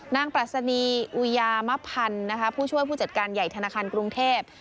ปรัชนีอุยามพันธ์ผู้ช่วยผู้จัดการใหญ่ธนาคารกรุงเทพ